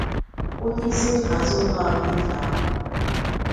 onyeisi nhazi n'ụlọ ahụike ahụ